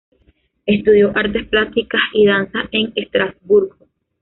Estudio Artes Plásticas y Danza en Estrasburgo.